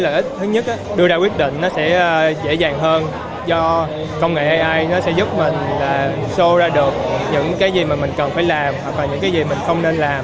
lợi ích thứ nhất đưa ra quyết định sẽ dễ dàng hơn do công nghệ ai sẽ giúp mình show ra được những cái gì mình cần phải làm và những cái gì mình không nên làm